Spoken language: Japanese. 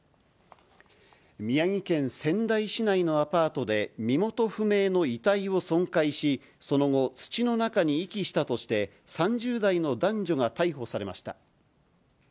宮城県仙台市内のアパートで、身元不明の遺体を損壊し、その後、土の中に遺棄したとして、３０代の男女が逮捕されました。